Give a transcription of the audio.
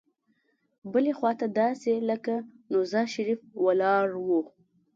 بلې خوا ته داسې لکه نوزا شریف ولاړ وو.